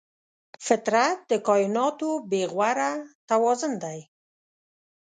فطرت د کایناتو بېغوره توازن دی.